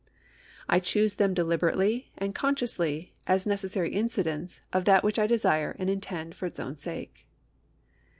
I choose them deliberately and (consciously as necessary incidents of that which I desire and intend for its own sake.